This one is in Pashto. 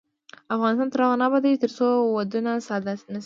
افغانستان تر هغو نه ابادیږي، ترڅو ودونه ساده نشي.